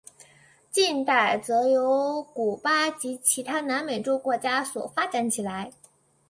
近代则由古巴及其他南美洲国家所发展起来。